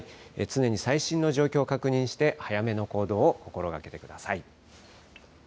常に最新の状況を確認して、早めの行動を心がけてください。